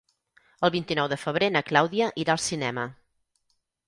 El vint-i-nou de febrer na Clàudia irà al cinema.